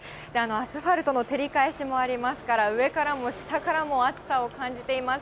アスファルトの照り返しもありますから、上からも下からも暑さを感じています。